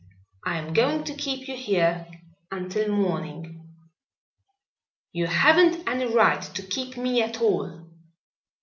"I am going to keep you here until morning." "You haven't any right to keep me at all."